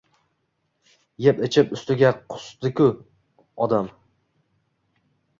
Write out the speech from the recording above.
Yeb-ichib, ustiga qusdi-ku odam.